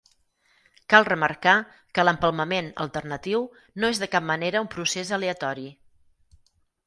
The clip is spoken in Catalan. Cal remarcar que l'empalmament alternatiu, no és de cap manera un procés aleatori.